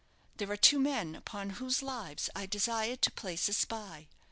There are two men upon whose lives I desire to place a spy.